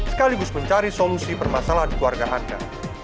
sekaligus mencari solusi permasalahan keluarga anda